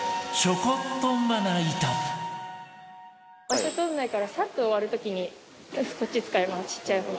場所取らないからサッと終わる時にこっち使いますちっちゃい方。